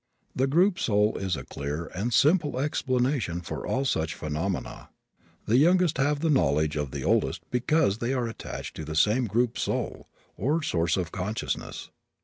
The group soul is a clear and simple explanation of all such phenomena. The youngest have the knowledge of the oldest because they are attached to the same group soul, or source of consciousness.